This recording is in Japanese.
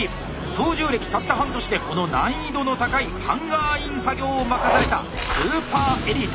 操縦歴たった半年でこの難易度の高い「ハンガーイン作業」を任されたスーパーエリート！